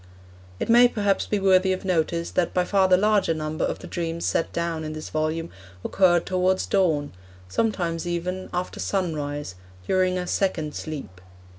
It may, perhaps, be worthy of notice that by far the larger number of the dreams set down in this volume occurred towards dawn; sometimes even, after sunrise, during a 'second sleep.'